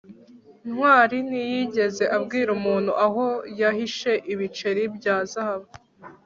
ntwali ntiyigeze abwira umuntu aho yahishe ibiceri bya zahabu